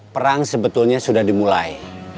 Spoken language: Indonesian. perang sebetulnya sudah dimulai